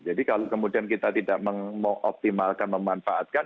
jadi kalau kemudian kita tidak mengoptimalkan memanfaatkan